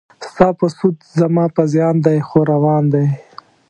ستا په سود زما په زیان دی خو روان دی.